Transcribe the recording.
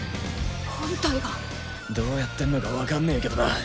どうやってんのかわかんねえけどな。